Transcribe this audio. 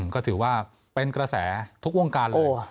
ก็ถือว่าเป็นกระแสทุกวงการเลย